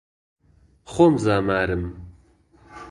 خۆم زامارم